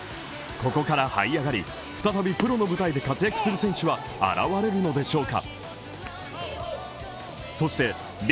ここから這い上がり、再びプロの舞台で風活躍する選手は現れるのでしょうか？